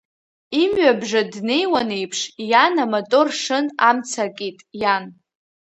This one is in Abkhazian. Имҩабжа днеиуан еиԥш, иан, аматор шын, амца акит, иан!